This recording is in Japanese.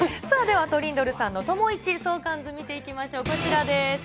さあでは、トリンドル玲奈さんの友イチ相関図見ていきましょう、こちらです。